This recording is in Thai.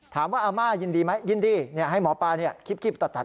ถามว่าอาม่ายินดีไหมยินดีให้หมอปลาเนี่ยคลิบตัด